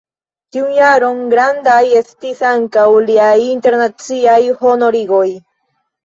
Tiun jaron grandaj estis ankaŭ liaj internaciaj honorigoj.